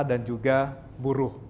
dan juga buruh